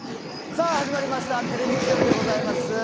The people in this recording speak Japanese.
さあ始まりました『テレビ千鳥』でございます。